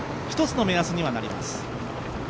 一つの目安にはなります。